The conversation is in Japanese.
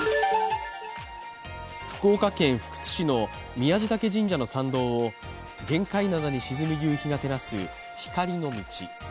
福岡県福津市の宮地嶽神社の参道を玄界灘に沈む夕日が照らす光の道。